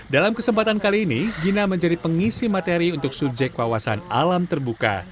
dalam kesempatan kali ini gina menjadi pengisi materi untuk subjek wawasan alam terbuka